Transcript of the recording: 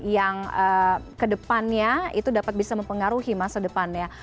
yang ke depannya itu dapat bisa mempengaruhi masa depannya